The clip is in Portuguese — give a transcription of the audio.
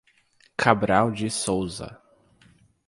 Cabral de Souza